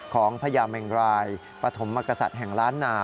พญาแมงรายปฐมมกษัตริย์แห่งล้านนา